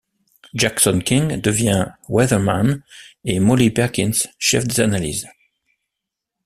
Jackson King devint Weatherman, et Molly Perkins chef des analyses.